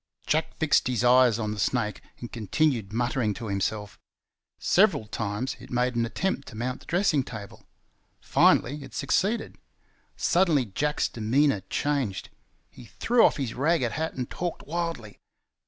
Jack fixed his eyes on the snake and continued muttering to himself. Several times it made an attempt to mount the dressing table. Finally it succeeded. Suddenly Jack's demeanour changed. He threw off his ragged hat and talked wildly.